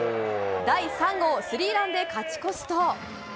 第３号スリーランで勝ち越すと。